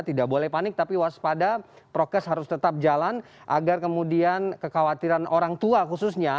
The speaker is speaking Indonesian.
tidak boleh panik tapi waspada prokes harus tetap jalan agar kemudian kekhawatiran orang tua khususnya